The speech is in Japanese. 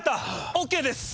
ＯＫです！